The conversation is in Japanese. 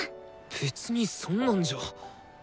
別にそんなんじゃ。